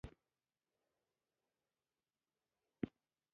د کمعقلتوب دلیل یې نلرم.